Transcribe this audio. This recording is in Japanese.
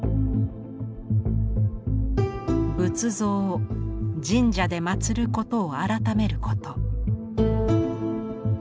仏像を神社で祀ることを改めること。